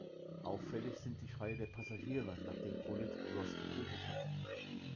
Auffällig sind die Schreie der Passagiere, nachdem Bullitt Ross getötet hat.